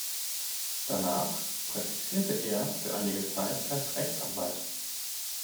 Danach praktizierte er für einige Zeit als Rechtsanwalt.